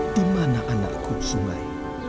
di mana anakku sungai